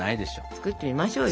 作ってみましょうよ。